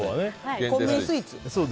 コンビニスイーツ。